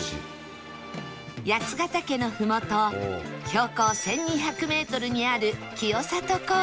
八ヶ岳の麓標高１２００メートルにある清里高原